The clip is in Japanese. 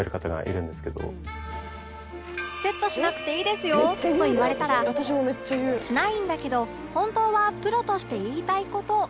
「セットしなくていいですよ」と言われたらしないんだけど本当はプロとして言いたい事